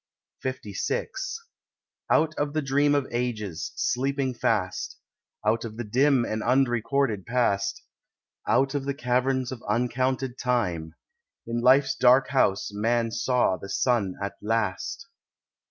LVI Out of the dream of ages, sleeping fast, Out of the dim and unrecorded past, Out of the caverns of uncounted time, In life's dark house Man saw the sun at last.